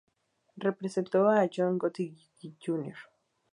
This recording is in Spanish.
Representó a John Gotti Jr.